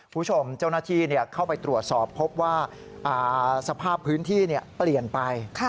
คุณผู้ชมเจ้าหน้าที่เข้าไปตรวจสอบพบว่าสภาพพื้นที่เปลี่ยนไป